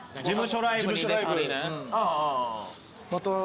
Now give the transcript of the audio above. また。